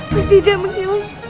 pasti dia menilai